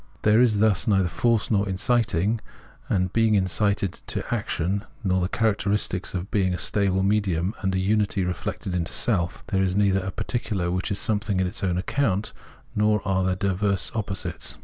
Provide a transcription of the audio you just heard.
There is thus neither force nor inciting and being incited to action, nor the characteristic of being a stable medium and a unity reflected into self, there is neither a particular which is something on its own account, nor are there diverse opposites.